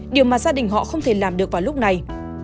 điều mà gia đình họ không thể làm được vào lúc này